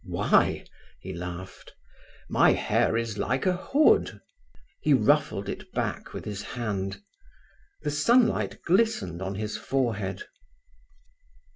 "Why?" he laughed. "My hair is like a hood," He ruffled it back with his hand. The sunlight glistened on his forehead.